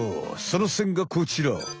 その線がこちら。